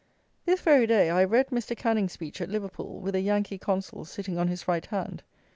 This very day I have read Mr. Canning's Speech at Liverpool, with a Yankee Consul sitting on his right hand.